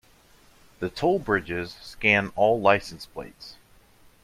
The toll bridges scan all license plates.